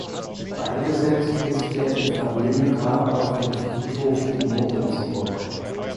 Beigesetzt ist er im Familiengrab auf dem Friedhof in Moritzburg.